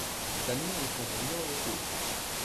Tenir el cagalló al cul.